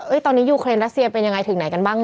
ตอนนี้ยูเครนรัสเซียเป็นยังไงถึงไหนกันบ้าง